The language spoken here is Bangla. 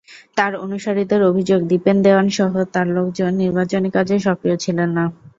তাঁর অনুসারীদের অভিযোগ, দীপেন দেওয়ানসহ তাঁর লোকজন নির্বাচনী কাজে সক্রিয় ছিলেন না।